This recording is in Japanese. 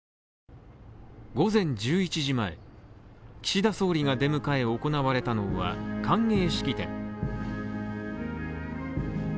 午前１１時前、岸田総理が出迎え行われたのは歓迎式典。